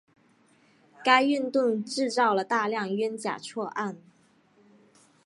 该运动制造了大量冤假错案。